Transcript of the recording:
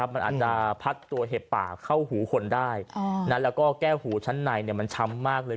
มันอาจจะพัดตัวเห็บป่าเข้าหูคนได้แล้วก็แก้วหูชั้นในมันช้ำมากเลย